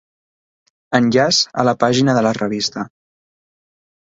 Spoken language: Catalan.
Enllaç a la pàgina de la revista.